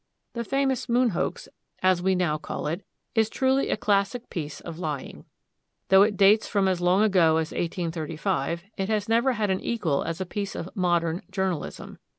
The famous Moon Hoax, as we now call it, is truly a classic piece of lying. Though it dates from as long ago as 1835, it has never had an equal as a piece of "modern" journalism.